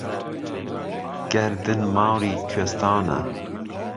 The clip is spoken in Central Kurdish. گهردن ماری کویستانە